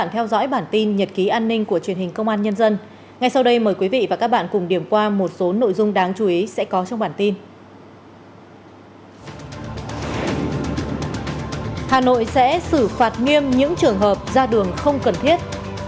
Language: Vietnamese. hà nội sẽ xử phạt nghiêm những trường hợp ra đường không cần thiết